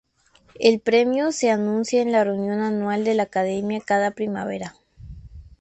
El premio se anuncia en la reunión anual de la Academia cada primavera.